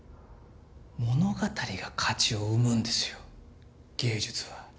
物語が価値を生むんですよ芸術は。